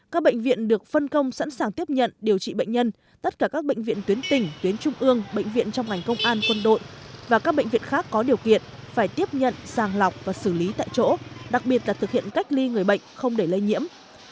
các bệnh viện được phân công sẵn sàng tiếp nhận điều trị bệnh nhân tất cả các bệnh viện tuyến tỉnh tuyến trung ương bệnh viện trong ngành công an quân đội và các bệnh viện khác có điều kiện phải tiếp nhận sàng lọc và xử lý tại chỗ đặc biệt là thực hiện cách ly người bệnh không để lây nhiễm